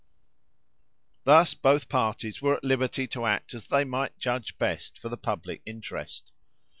Thus both parties were at liberty to act as they might judge best for the public interest.